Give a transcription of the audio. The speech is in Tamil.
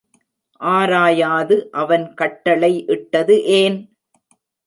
ஆராயாது அவன் கட்டளை இட்டது ஏன்?